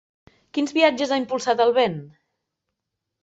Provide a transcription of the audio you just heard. Quins viatges ha impulsat el vent?